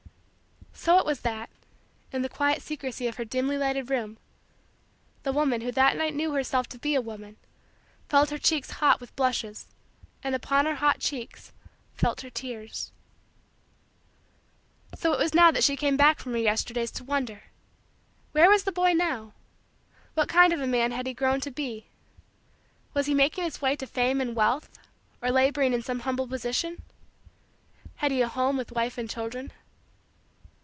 So it was that, in the quiet secrecy of her dimly lighted room, the woman who that night knew herself to be a woman, felt her cheeks hot with blushes and upon her hot cheeks felt her tears. So it was that she came back from her Yesterdays to wonder: where was the boy now? What kind of a man had he grown to be? Was he making his way to fame and wealth or laboring in some humble position? Had he a home with wife and children?